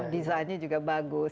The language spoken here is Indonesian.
desainnya juga bagus